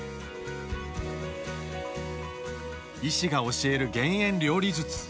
医師が教える減塩料理術。